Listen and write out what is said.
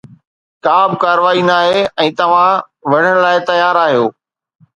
ڪابه ڪارروائي ناهي ۽ توهان وڙهڻ لاء تيار آهيو